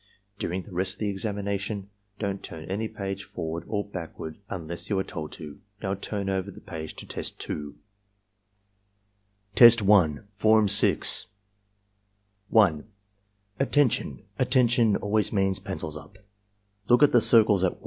"During the rest of this examination don't turn any page forward or backward unless you are told to. Now turn over the page to Test 2." Test 1, Form 6 1. "Attention! 'Attention' always means 'Pencils up,' Look at the circles at 1.